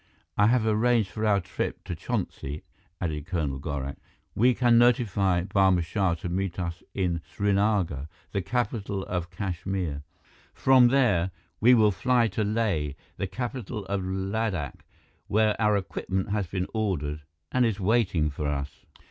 "I have arranged for our trip to Chonsi," added Colonel Gorak. "We can notify Barma Shah to meet us in Srinagar, the capital of Kashmir. From there, we will fly to Leh, the capital of Ladakh, where our equipment has been ordered and is waiting for us."